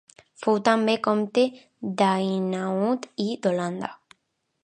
Fou també comte d'Hainaut i d'Holanda.